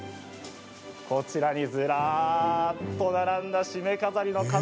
こちらに、ずらっと並んだしめ飾りの数々。